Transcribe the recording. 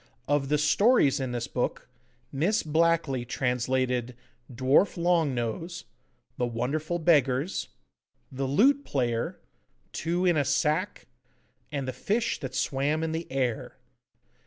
Of the stories in this book, Miss Blackley translated 'Dwarf Long Nose,' 'The Wonderful Beggars,' 'The Lute Player,' 'Two in a Sack,' and 'The Fish that swam in the Air.